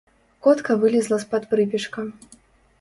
Котка вылезла з-пад прыпечка.